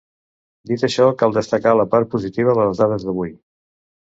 Dit això, cal destacar la part positiva de les dades d’avui.